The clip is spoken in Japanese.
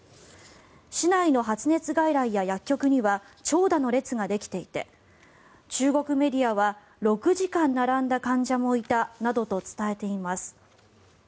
市内の発熱外来や薬局には長蛇の列ができていて中国メディアは６時間並んだ患者もいたなどと伝えています。